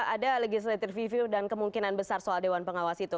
ada legislative review dan kemungkinan besar soal dewan pengawas itu